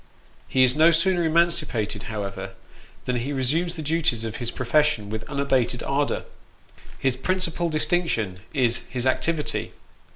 He is no sooner emancipated, however, than he resumes the duties of his pro fession with unabated ardour. His principal distinction is his activity.